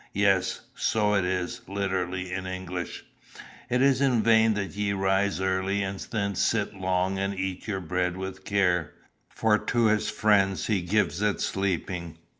Yes, so it is, literally, in English, "It is in vain that ye rise early, and then sit long, and eat your bread with care, for to his friends he gives it sleeping."